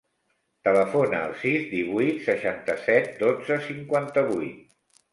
Telefona al sis, divuit, seixanta-set, dotze, cinquanta-vuit.